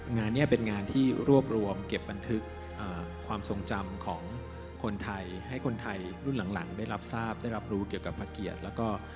งานนี้เป็นงานที่รวบรวมเก็บบันทึกความทรงจำของคนไทยให้คนไทยรุ่นหลังได้รับทราบได้รับรู้เกี่ยวกับพระเกียรติแล้วก็